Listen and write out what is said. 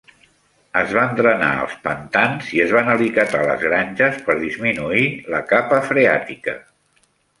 Es van drenar els pantans i es van alicatar les granges per disminuir la capa freàtica.